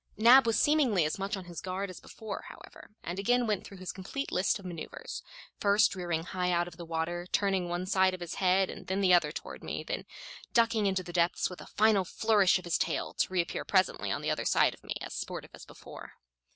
Nab was seemingly as much on his guard as before, however, and again went through his complete list of maneuvers, first rearing high out of the water, turning one side of his head and then the other toward me, then ducking into the depths with a final flourish of his tail, to reappear presently on the other side of me, as sportive as before.